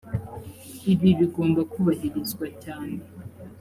ibi bigomba kubahirizwa cyane